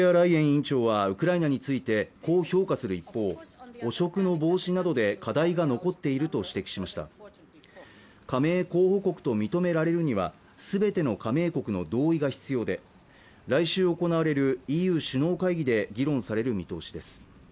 以上はウクライナについてこう評価する一方汚職の防止などで課題が残っていると指摘しました加盟候補国と認められるにはすべての加盟国の同意が必要で来週行われるＥＵ首脳会議で議論される見通しです